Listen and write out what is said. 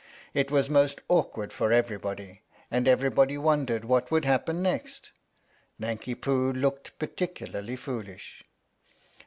It was most awkward for everybody, and everybody won dered what would happen next. Nanki Poo looked particularly foolish.